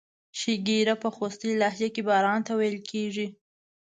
شیګیره په خوستی لهجه کې باران ته ویل کیږي.